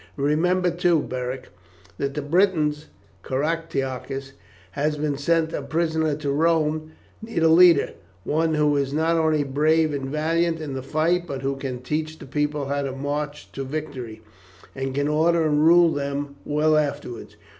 Remember too, Beric, that the Britons, now that Caractacus has been sent a prisoner to Rome, need a leader, one who is not only brave and valiant in the fight, but who can teach the people how to march to victory, and can order and rule them well afterwards.